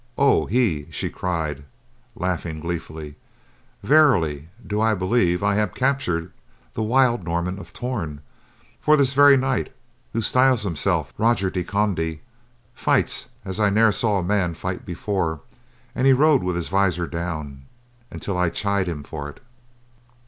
O he!" she cried, laughing gleefully, "verily do I believe I have captured the wild Norman of Torn, for this very knight, who styles himself Roger de Conde, fights as I ne'er saw man fight before, and he rode with his visor down until I chid him for it."